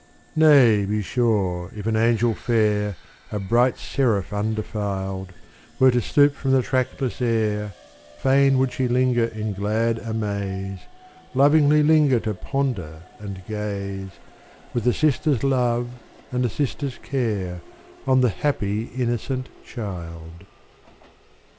Nay, be sure, if an angel fair, A bright seraph undefiled, Were to stoop from the trackless air, Fain would she linger in glad amaze Lovingly linger to ponder and gaze, With a sister's love and a sister's care, On the happy, innocent child.